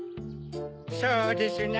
そうですな。